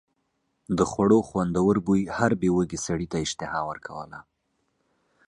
د خوړو خوندور بوی هر بې وږي سړي ته اشتها ورکوله.